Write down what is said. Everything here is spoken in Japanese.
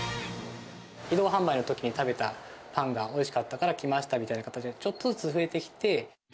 移動販売のときに食べたパンがおいしかったから来ましたみたいな形で、ちょっとずつ増えてきて。